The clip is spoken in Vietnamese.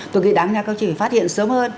tôi nghĩ đáng nha các đồng chí phải phát hiện sớm hơn